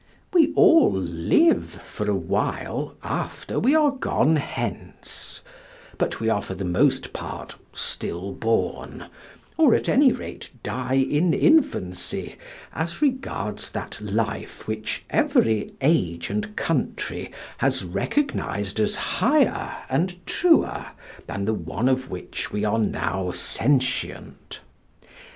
We all live for a while after we are gone hence, but we are for the most part stillborn, or at any rate die in infancy, as regards that life which every age and country has recognised as higher and truer than the one of which we are now sentient.